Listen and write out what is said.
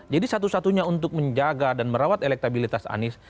jadi satu satunya untuk menjaga dan merawat elektabilitas anies